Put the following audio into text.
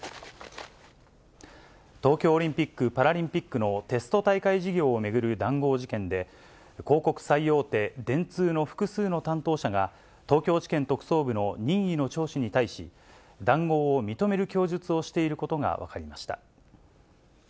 東京オリンピック・パラリンピックのテスト大会事業を巡る談合事件で、広告最大手、電通の複数の担当者が、東京地検特捜部の任意の聴取に対し、談合を認める供述をしていることが分かりました。